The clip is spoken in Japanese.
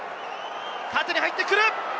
縦に入ってくる！